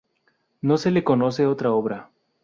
No se le conoce otra obra.